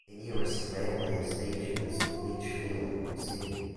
The nearest railway station is Lichfield City.